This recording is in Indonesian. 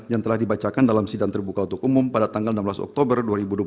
yang telah dibacakan dalam sidang terbuka untuk umum pada tanggal enam belas oktober dua ribu dua puluh tiga